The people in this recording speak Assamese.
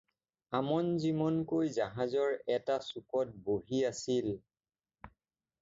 আমন জিমনকৈ জাহাজৰ এটা চুকত বহি আছিল।